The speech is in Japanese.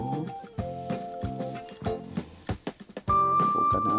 こうかな。